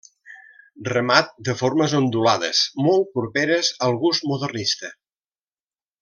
Remat de formes ondulades molt properes al gust modernista.